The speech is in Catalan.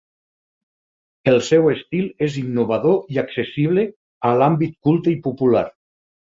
El seu estil és innovador i accessible a l'àmbit culte i popular.